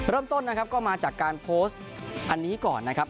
เริ่มต้นนะครับก็มาจากการโพสต์อันนี้ก่อนนะครับ